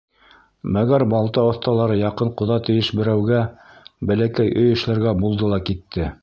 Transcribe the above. Мәгәр балта оҫталары яҡын ҡоҙа тейеш берәүгә бәләкәй өй эшләргә булды ла китте.